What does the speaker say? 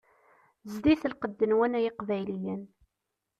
Zdit lqedd-nwen ay Iqbayliyen.